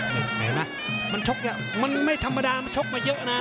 เห็นไหมมันชกเนี่ยมันไม่ธรรมดามันชกมาเยอะนะ